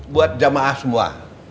buat jamaah semua